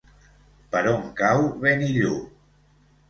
Per on cau Benillup?